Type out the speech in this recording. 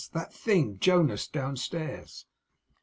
That thing, Jonas, downstairs.